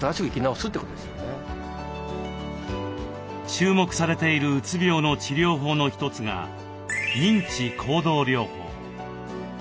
注目されているうつ病の治療法の一つが認知行動療法。